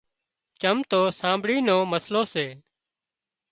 چم تو سانٻڙِي نو مسئلو سي